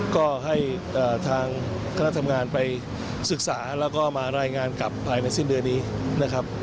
ก็ให้ทางคณะทำงานไปศึกษาแล้วก็มารายงานกลับภายในสิ้นเดือนนี้นะครับ